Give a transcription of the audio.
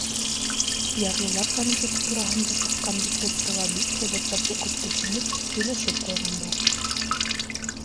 Ярлылар комитеты тураһында сыҡҡан декретты ла бик һәйбәтләп уҡып төшөнөп, һөйләшеп ҡуйғандар.